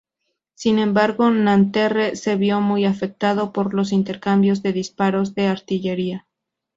Sin embargo, Nanterre se vio muy afectado por los intercambios de disparos de artillería.